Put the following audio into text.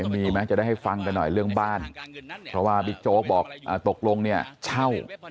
มีไหมจะได้ให้ฟังกันหน่อยเรื่องบ้านเพราะว่าบิ๊กโจ๊กบอกตกลงเนี่ยเช่า